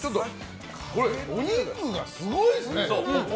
お肉がすごいですね！